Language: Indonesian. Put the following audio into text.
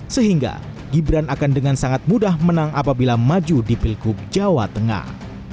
sehingga gibran akan dengan sangat mudah menang apabila maju di pilgub jawa tengah